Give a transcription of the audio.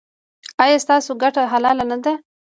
ایا ستاسو ګټه حلاله نه ده؟